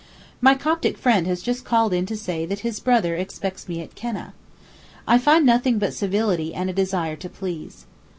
My Coptic friend has just called in to say that his brother expects me at Kenneh. I find nothing but civility and a desire to please.